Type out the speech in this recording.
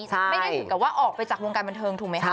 ไม่ได้ถึงกับว่าออกไปจากวงการบันเทิงถูกไหมคะ